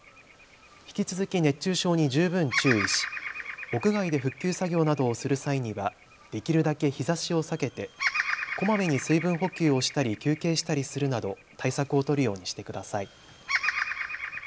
引き続き熱中症に十分注意し屋外で復旧作業などをする際にはできるだけ日ざしを避けてこまめに水分補給をしたり休憩したりするなど対策を取るようにしてください。